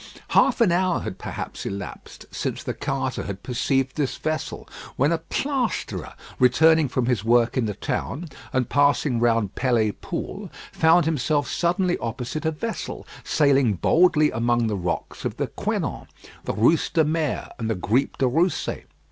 Half an hour had perhaps elapsed since the carter had perceived this vessel, when a plasterer returning from his work in the town, and passing round Pelée Pool, found himself suddenly opposite a vessel sailing boldly among the rocks of the Quenon, the Rousse de Mer, and the Gripe de Rousse.